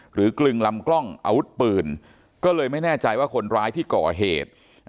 กลึงลำกล้องอาวุธปืนก็เลยไม่แน่ใจว่าคนร้ายที่ก่อเหตุ